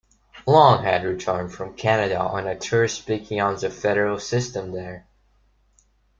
Long had returned from Canada on a tour speaking on the federal system there.